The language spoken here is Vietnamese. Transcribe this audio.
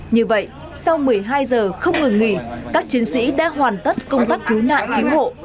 như vậy sau một mươi hai giờ không ngừng nghỉ các chiến sĩ đã hoàn tất công tác cứu nạn cứu hộ